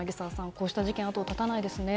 こうした事件は後を絶たないですね。